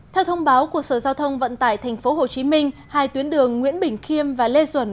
theo thông báo của sở giao thông vận tải tp hcm hai tuyến đường nguyễn bình khiêm và lê duẩn